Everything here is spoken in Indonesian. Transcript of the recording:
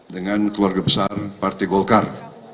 dengan keluarga besar partai golkar